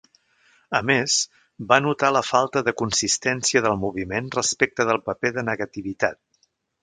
A més, va notar la falta de consistència del moviment respecte del paper de negativitat.